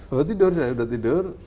oh tidur saya sudah tidur